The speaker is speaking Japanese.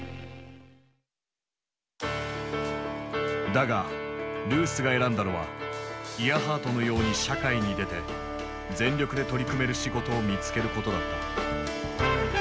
だがルースが選んだのはイアハートのように社会に出て全力で取り組める仕事を見つけることだった。